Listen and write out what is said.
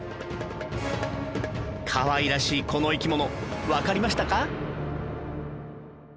かわいらしいこの生き物わかりましたか？